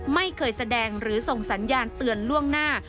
ไม่เคยแสดงหรือส่งสัญญาณเตือนล่วงหน้า